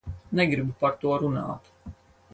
Negribu par to runāt.